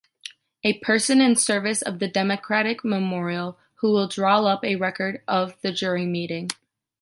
A person in service of the Democratic Memorial who will draw up a record of the jury meeting.